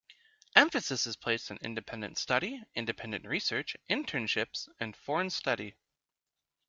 Emphasis is placed on independent study, independent research, internships and foreign study.